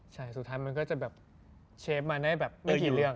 ใช่สุดท้ายมันก็จะแบบเชฟมาได้แบบไม่กี่เรื่อง